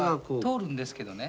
通るんですけどね